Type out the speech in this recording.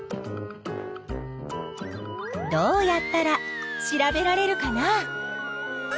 どうやったら調べられるかな？